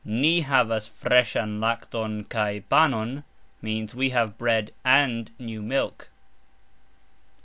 "Ni havas fresxan lakton kaj panon" means We have bread and new milk.